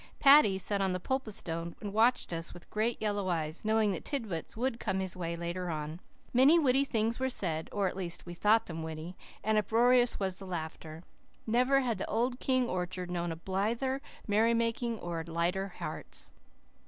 Paddy sat on the Pulpit Stone and watched us with great yellow eyes, knowing that tidbits would come his way later on. Many witty things were said or at least we thought them witty and uproarious was the laughter. Never had the old King orchard known a blither merrymaking or lighter hearts.